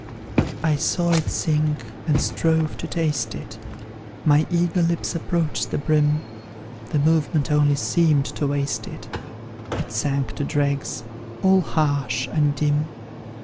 "I saw it sink, and strove to taste it, My eager lips approached the brim; The movement only seemed to waste it; It sank to dregs, all harsh and dim.